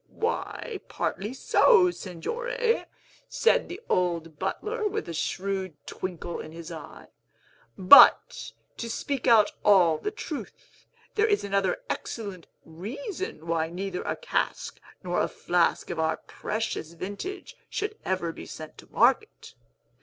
"Why, partly so, Signore," said the old butler, with a shrewd twinkle in his eye; "but, to speak out all the truth, there is another excellent reason why neither a cask nor a flask of our precious vintage should ever be sent to market.